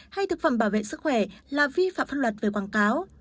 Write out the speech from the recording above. hay thực phẩm bảo vệ sức khỏe là vi phạm pháp luật về quảng cáo